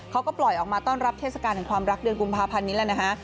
เขาก็ปล่อยออกมาต้อนรับเทศกาลแห่งความรักเดือนกุมภาพันธ์นี้แหละนะฮะ